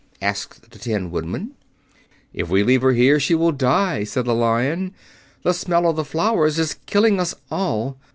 asked the Tin Woodman. "If we leave her here she will die," said the Lion. "The smell of the flowers is killing us all.